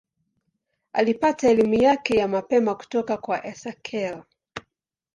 Alipata elimu yake ya mapema kutoka kwa Esakhel.